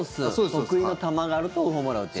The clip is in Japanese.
得意の球があるとホームランを打てる。